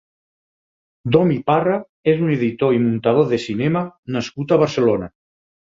Domi Parra és un editor i muntador de cinema nascut a Barcelona.